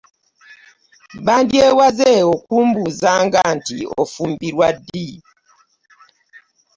Bandyewaze okumbuzanga nti ofuumbilwa ddi.